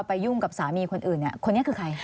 ยุ่งกับสามีคนอื่นเนี่ยคนนี้คือใคร